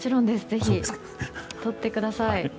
ぜひ撮ってください。